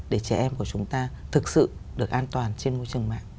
để trẻ em của chúng ta thực sự được an toàn trên môi trường mạng